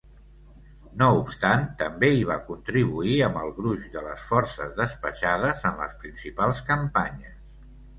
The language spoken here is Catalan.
No obstant, també hi va contribuir amb el gruix de les forces despatxades en les principals campanyes.